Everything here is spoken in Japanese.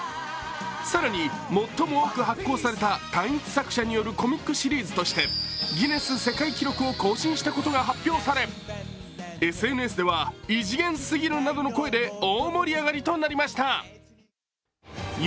更に「最も多く発行された単一作者によるコミックシリーズ」としてギネス世界記録を更新したことが発表され、ＳＮＳでは、異次元すぎるなどの声で大盛り上がりとなりました。